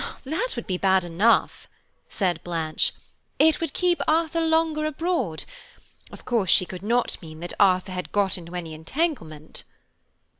"That would be bad enough," said Blanche. "It would keep Arthur longer abroad, Of course she could not mean that Arthur had got into any entanglement."